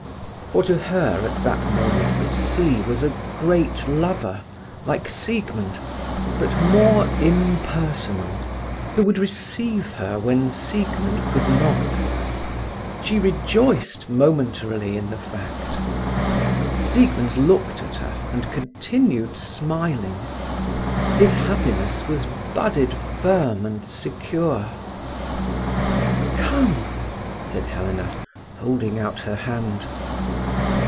For to her at that moment the sea was a great lover, like Siegmund, but more impersonal, who would receive her when Siegmund could not. She rejoiced momentarily in the fact. Siegmund looked at her and continued smiling. His happiness was budded firm and secure. "Come!" said Helena, holding out her hand.